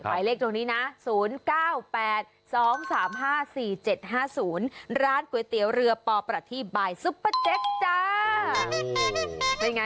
หมายเลขตรงนี้นะ๐๙๘๒๓๕๔๗๕๐ร้านก๋วยเตี๋ยวเรือปประทีบายซุปเปอร์เจ็คจ้า